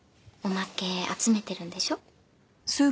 おまけ集めてるんでしょ？